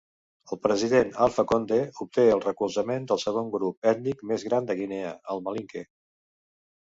El president Alpha Conde obté el recolzament del segon grup ètnic més gran de Guinea, el Malinke.